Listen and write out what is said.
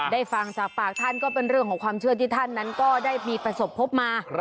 ฟังจากปากท่านก็เป็นเรื่องของความเชื่อที่ท่านนั้นก็ได้มีประสบพบมา